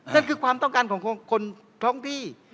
นั่นคือความต้องการของคนท้องที่